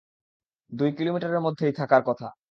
দুই কিলোমিটারের মধ্যেই থাকার কথা।